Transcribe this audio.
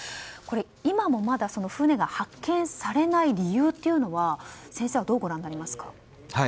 今もまだ船が発見されない理由というのは先生は、どうご覧になりますか。